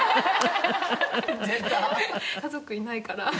家族いないから。